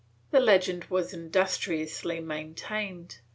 ^ The legend was industriously main tained.